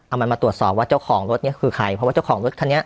เอามันมาตรวจสอบว่าเจ้าของรถเนี่ยคือใครเพราะว่าเจ้าของรถคันนี้